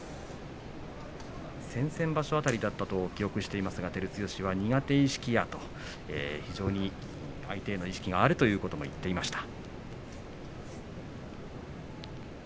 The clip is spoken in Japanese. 先々場所辺りだったと記憶していますが照強は苦手意識が非常に相手への意識があると言っていました。